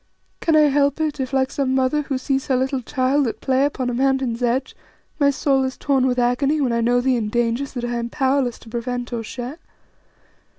Can I help it if, like some mother who sees her little child at play upon a mountain's edge, my soul is torn with agony when I know thee in dangers that I am powerless to prevent or share?